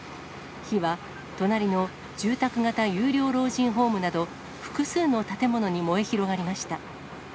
火は隣の住宅型有料老人ホームなど、複数の建物に燃え広がりました。